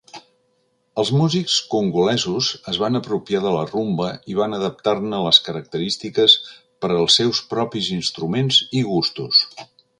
Els músics congolesos es van apropiar de la rumba i van adaptar-ne les característiques per als seus propis instruments i gustos.